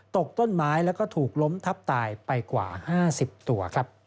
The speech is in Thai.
ตกต้นไม้และถูกล้มทับตายไปกว่า๕๐ตัว